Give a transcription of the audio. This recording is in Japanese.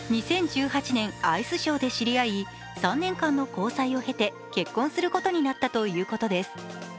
２０１８年、アイスショーで知り合い、３年間の交際を経て、結婚することになったということです。